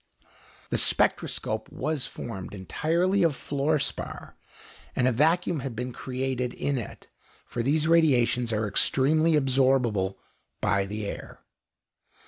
The spectroscope was formed entirely of fluor spar, and a vacuum had been created in it, for these radiations are extremely absorbable by the air.